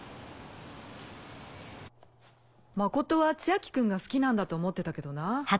真琴は千昭君が好きなんだと思ってたけどな。